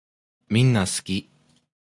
みんなすき